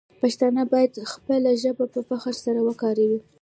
پښتانه باید خپله ژبه په فخر سره وکاروي.